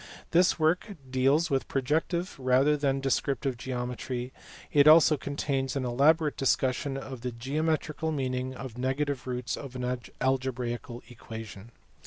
This work deals with protective rather than des criptive geometry, it also contains an elaborate discussion of the geometrical meaning of negative roots of an algebraical equation.